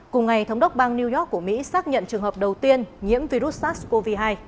cùng ngày thống đốc bang new york của mỹ xác nhận trường hợp đầu tiên nhiễm virus sars cov hai